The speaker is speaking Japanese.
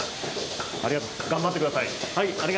頑張ってください。